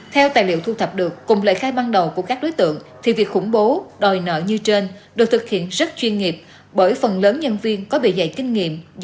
theo tài liệu thu thập được cùng lời khai ban đầu của các đối tượng thì việc khủng bố đòi nợ như trên được thực hiện rất chuyên nghiệp bởi phần lớn nhân viên có bề dày kinh nghiệm